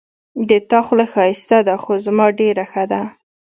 د تا خوله ښایسته ده خو زما ډېره ښه ده